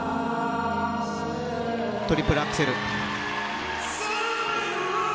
トリプルアクセル。